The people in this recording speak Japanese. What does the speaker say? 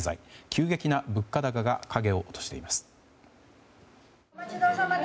急激な物価高が影を落としています。